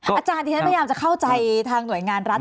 อาจารย์ที่ฉันพยายามจะเข้าใจทางหน่วยงานรัฐ